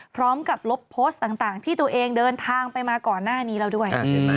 พร้อมกับลบโพสต์ต่างที่ตัวเองเดินทางไปมาก่อนหน้านี้แล้วด้วย